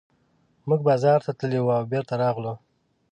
موږ بازار ته تللي وو او بېرته راغلو.